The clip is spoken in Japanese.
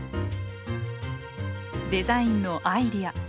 デザインのアイデア。